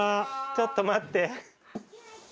ちょっと待って。